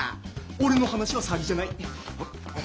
俺の話は詐欺じゃない。